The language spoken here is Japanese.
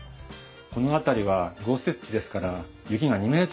この辺りは豪雪地ですから雪が２ｍ以上積もるんです。